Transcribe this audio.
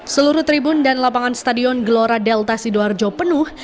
seluruh tribun dan lapangan stadion gelora delta sidoarjo penuh